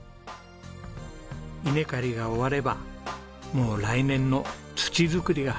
稲刈りが終わればもう来年の土作りが始まります。